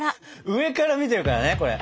上から見てるからねこれ。